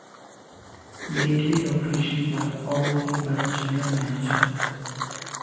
Day-to-day operations are overseen by the General Manager.